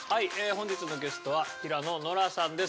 本日のゲストは平野ノラさんです。